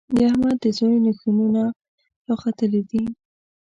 د احمد د زوی نېښونه راختلي دي.